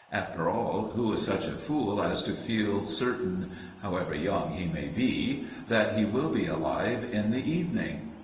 After all, who is such a fool as to feel certain however young he may be that he will be alive in the evening?